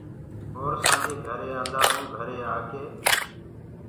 اور سآنجي گھري آنٚدآ هونٚ گھري آڪي